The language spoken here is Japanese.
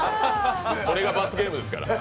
それが罰ゲームですから。